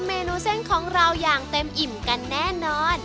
เมนูเส้นของเราอย่างเต็มอิ่มกันแน่นอน